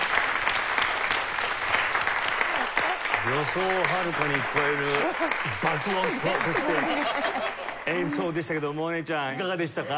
予想をはるかに超える爆音とそして演奏でしたけども百音ちゃんいかがでしたか？